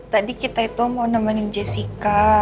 tadi kita itu mau nemenin jessica